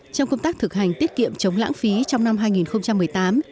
trong công tác thực hành tiết kiệm chống lãng phí trong năm hai nghìn một mươi tám